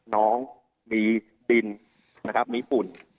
น้องมีดินมีฝุ่น